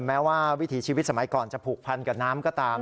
แม้ว่าวิถีชีวิตสมัยก่อนจะผูกพันกับน้ำก็ตาม